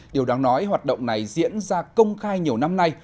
điều đáng nói hoạt động này diễn ra công khai nhiều năm nay